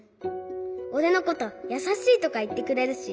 おれのこと「やさしい」とかいってくれるし。